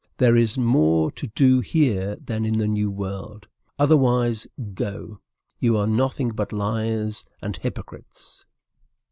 There is more to do here than in the new world. Otherwise, go! you are nothing but liars and hypocrites!